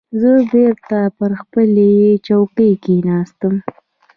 زه بېرته پر خپلې چوکۍ کېناستم.